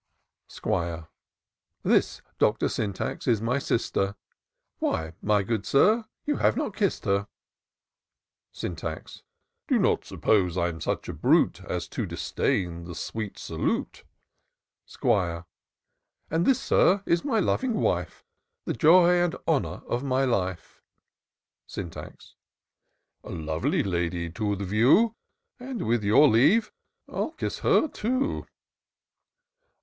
'Squire. This, Doctor Syntax, is my sister : Why, my good Sir, you have not kiss'd her.' Syntax. *' Do not suppose I'm such a brute As to disdain the sweet salute." IN SEARCH OF THE PICTURESQUE. 157 ^Squire. " And this, Sir, is my loving wife, The joy and honour of my life." Syntax. A lovely lady to the view! And with your leave, I'll kiss her too."